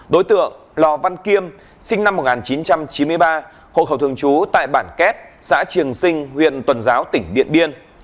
đối tượng lò văn kiêm sinh năm một nghìn chín trăm chín mươi ba hộ khẩu thường trú tại bản két xã triềng sinh huyện tuần giáo tỉnh điện biên